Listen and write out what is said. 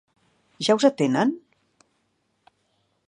Ja us atenen?